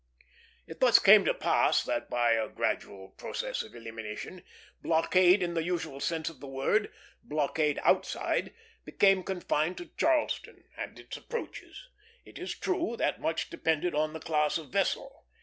It thus came to pass that, by a gradual process of elimination, blockade in the usual sense of the word, blockade outside, became confined to Charleston and its approaches. It is true that much depended on the class of vessel.